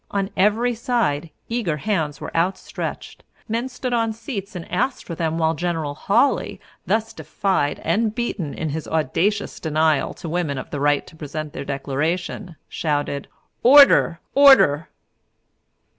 On every side eager hands were outstretched, men stood on seats and asked for them, while General Hawley, thus defied and beaten in his audacious denial to women of the right to present their Declaration, shouted, "Order, order!"